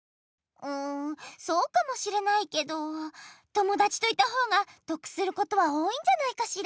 うんそうかもしれないけど友だちといたほうが得することは多いんじゃないかしら。